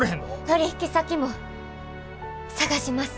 取引先も探します！